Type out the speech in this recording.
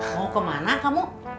aceh mau kemana kamu